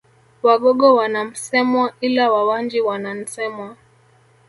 Wagogo wana Msemwa ila Wawanji wana Nsemwa